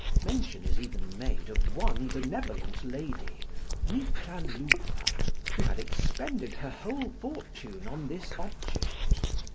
Mention is even made of one benevolent lady (Mita Lupa) who had expended her whole fortune on this object.